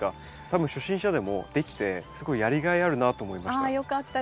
多分初心者でもできてすごいやりがいあるなと思いました。